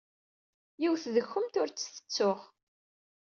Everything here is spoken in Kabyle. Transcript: Yiwet deg-kumt ur tt-tettuɣ.